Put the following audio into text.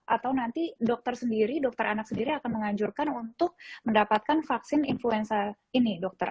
atau nanti dokter sendiri dokter anak sendiri akan menganjurkan untuk mendapatkan vaksin influenza ini dokter